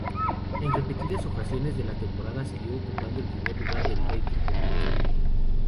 En repetidas ocasiones de la temporada siguió ocupando el primer lugar del rating dominical.